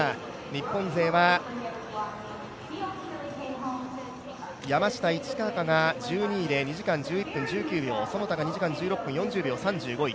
日本勢は山下一貴が１２位で２時間１１分１９秒其田が２時間１６分４０秒で３５位。